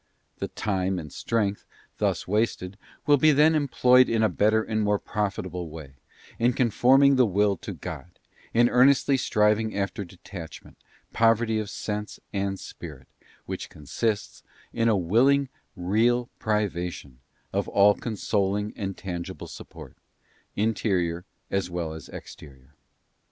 The time and strength, thus wasted, will be then employed in a better and more profitable way, in conforming the will to God, in earnestly striving after detachment, poverty of sense and spirit, which consists in a willing real privation of all consoling and tangible support, interior as well as exterior.